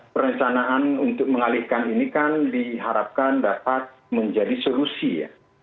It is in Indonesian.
perencanaan untuk mengalihkan ini kan diharapkan dapat menjadi solusi ya